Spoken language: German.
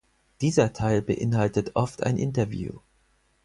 Dieser Teil beinhaltet oft ein Interview.